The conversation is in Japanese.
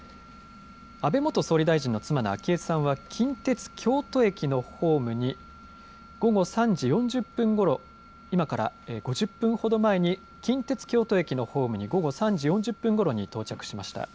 安倍元総理大臣の妻の昭恵さんは、近鉄京都駅のホームに午後３時４０分ごろ、今から５０分ほど前に、近鉄京都駅のホームに、午後３時４０分ごろに到着しました。